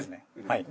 はい。